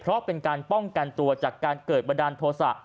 เพราะเป็นการป้องกันตัวจากการเกิดบันดาลโทษะ